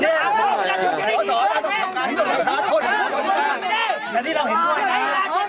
หรอก